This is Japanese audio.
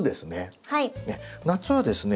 夏はですね